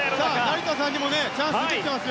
成田さんにもチャンスが残っています。